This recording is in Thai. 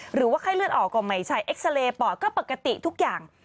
หรือว่าไข้เลือดออกก็ไม่ใช่เอ็กซาเรย์ปอดก็ปกติทุกอย่าง